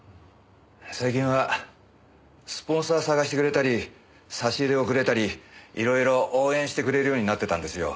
最近はスポンサー探してくれたり差し入れをくれたり色々応援してくれるようになってたんですよ。